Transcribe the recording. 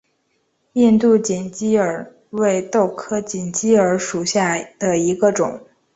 印度锦鸡儿为豆科锦鸡儿属下的一个种。